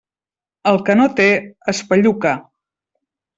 El que no té, espelluca.